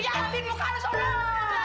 ya cukup banget kara atacan aja